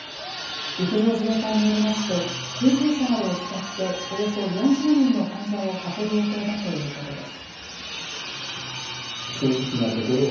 陸上自衛隊によりますと救急車などを使っておよそ４０人の患者を運ぶ予定だということです。